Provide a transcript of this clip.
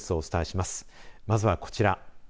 まずはこちら。